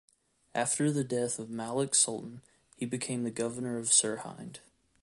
After the death of Malik Sultan, he became the governor of Sirhind.